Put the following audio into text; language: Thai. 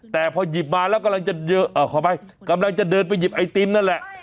แต่พอหยิบมาแล้วกำลังจะเดินไปหยิบไอติมนั่นแหละ